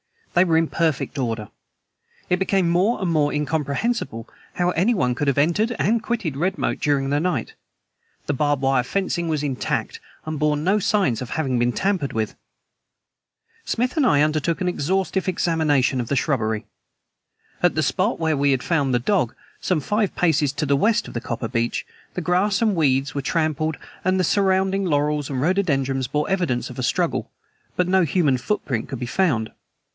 They were in perfect order. It became more and more incomprehensible how anyone could have entered and quitted Redmoat during the night. The barbed wire fencing was intact, and bore no signs of having been tampered with. Smith and I undertook an exhaustive examination of the shrubbery. At the spot where we had found the dog, some five paces to the west of the copper beech, the grass and weeds were trampled and the surrounding laurels and rhododendrons bore evidence of a struggle, but no human footprint could be found.